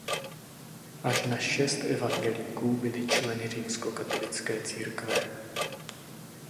Až na šest evangelíků byli členy římskokatolické církve.